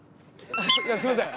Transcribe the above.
すいません！